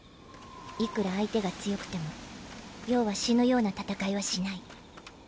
いくら相手が強くても葉は死ぬような闘いはしない。